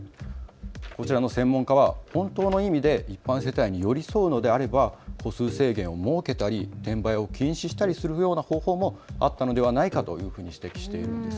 こちらの専門家は本当の意味で一般世帯に寄り添うのであれば戸数制限を設けたり転売を禁止したりするような方法もあったのではないかと指摘しているんです。